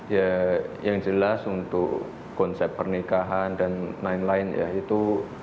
ya yang jelas untuk konsep pernikahan dan lain lain ya itu